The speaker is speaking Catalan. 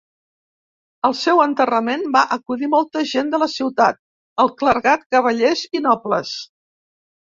Al seu enterrament va acudir molta gent de la ciutat, el clergat, cavallers i nobles.